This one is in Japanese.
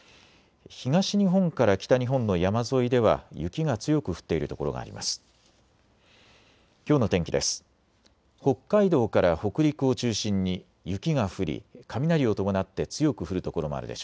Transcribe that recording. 東日本から北日本の山沿いでは雪が強く降っているところがあります。